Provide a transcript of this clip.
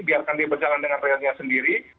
biarkan dia berjalan dengan realnya sendiri